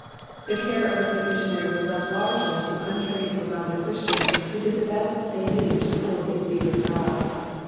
The care of the sick missionary was left largely to un trained Waganda Christians who did the best they knew to cool his fevered brow.